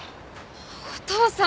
お父さん。